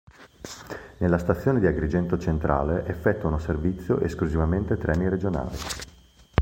Nella stazione di Agrigento Centrale effettuano servizio esclusivamente treni regionali.